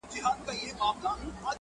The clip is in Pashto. پوچې زندګي غوښتل